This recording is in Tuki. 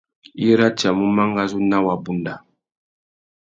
I ratiamú mangazú nà wabunda.